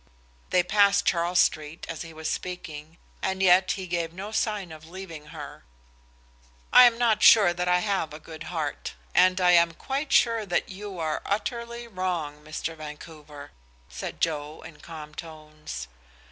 They passed Charles Street as he was speaking, and yet he gave no sign of leaving her. "I am not sure that I have a good heart, and I am quite sure that you are utterly wrong, Mr. Vancouver," said Joe, in calm tones.